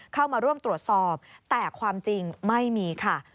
เข้ามาร่วมตรวจสอบแต่ความจริงไม่มีค่ะ